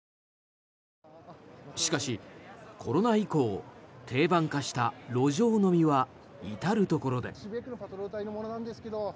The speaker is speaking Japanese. しかし、コロナ以降定番化した路上飲みは至るところで。